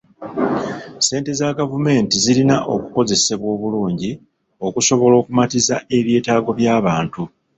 Ssente za gavumenti zirina okukozesebwa obulungi okusobola okumatiza ebyetaago by'abantu